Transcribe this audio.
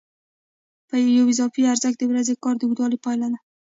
یو اضافي ارزښت د ورځني کار د اوږدوالي پایله ده